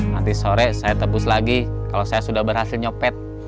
nanti sore saya tebus lagi kalau saya sudah berhasil nyopet